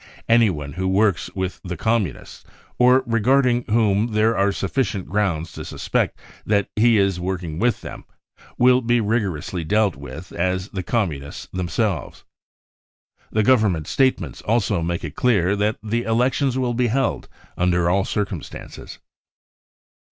Anyone who works with the Communists, or regarding whom there are sufficient grounds to suspect that he is working with them, will be as rigorously dealt with as the Com munists themselves. The Government statements also make it clear that the elections will be held under all circumstances.